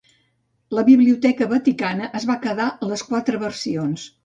La biblioteca vaticana es va quedar les quatre versions.